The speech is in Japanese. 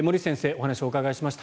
お話をお伺いました。